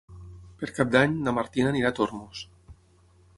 Per Cap d'Any na Martina anirà a Tormos.